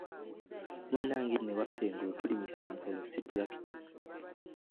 Munnange nno ewaffe engulu tulimisa nsolo si tulakita.